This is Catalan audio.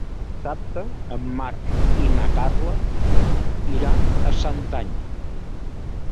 Dissabte en Marc i na Carla iran a Santanyí.